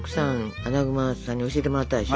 アナグマさんに教えてもらったでしょ。